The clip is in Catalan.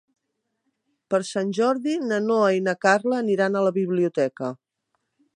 Per Sant Jordi na Noa i na Carla aniran a la biblioteca.